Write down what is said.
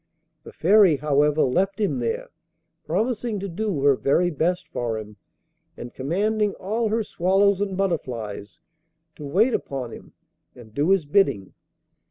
The Fairy, however, left him there, promising to do her very best for him, and commanding all her swallows and butterflies to wait upon him and do his bidding.